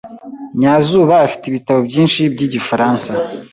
Nyazuba afite ibitabo byinshi byigifaransa.